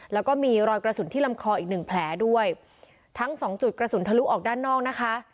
แล้วก็มีรอยกระสุนที่ลำคออีกหนึ่งแผลด้วยทั้งสองจุดกระสุนทะลุออกด้านนอกนะคะ